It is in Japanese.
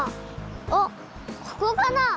あっここかな。